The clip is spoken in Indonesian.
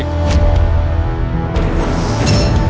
pak bangun kamu